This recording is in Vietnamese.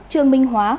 trương minh hóa